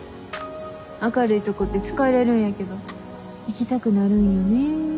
明るいとこって疲れるんやけど行きたくなるんよね。